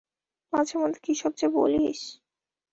মাঝেমধ্যে কিসব যে বলিস!